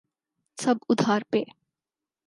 سب ادھار پہ۔